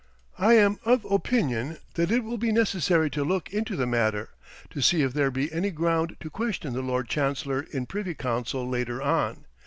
I am of opinion that it will be necessary to look into the matter, to see if there be any ground to question the Lord Chancellor in Privy Council later on.